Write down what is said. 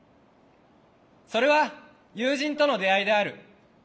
それは友人との出会いである。